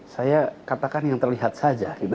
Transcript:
saya katakan yang terlihat saja